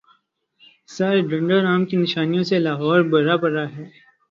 سرگنگا رام کی نشانیوں سے لاہور بھرا پڑا ہے۔